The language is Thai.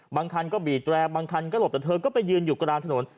บางคันก็บีดแรร์บางคันก็หลบแต่เธอก็ไปยืนอยู่กลางถนน